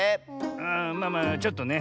ああまあまあちょっとね。